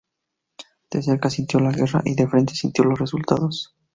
De cerca sintió la guerra y de frente sintió los resultados.